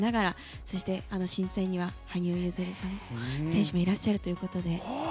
そして、審査員には羽生結弦選手もいらっしゃるということで。